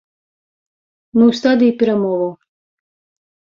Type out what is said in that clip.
Мы ў стадыі перамоваў.